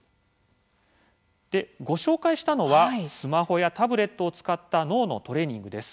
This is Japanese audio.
ご紹介したのはスマホやタブレットを使った脳のトレーニングです。